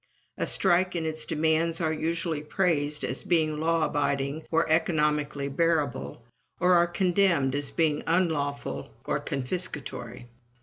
A strike and its demands are usually praised as being law abiding, or economically bearable, or are condemned as being unlawful, or confiscatory.